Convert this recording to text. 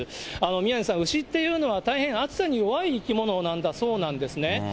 宮根さん、牛っていうのは大変暑さに弱い生き物なんだそうですね。